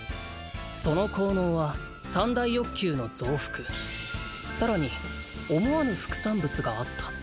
「その効能は三大欲求の増幅」「さらに思わぬ副産物があった」